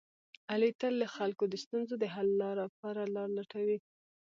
علي تل د خلکو د ستونزو د حل لپاره لاره لټوي.